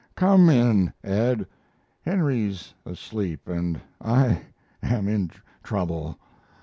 "Come in, Ed; Henry's asleep, and I am in trouble.